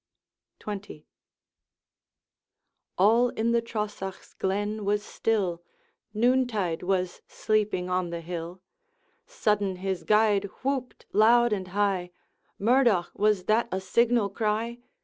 XX All in the Trosachs' glen was still, Noontide was sleeping on the hill: Sudden his guide whooped loud and high 'Murdoch! was that a signal cry?'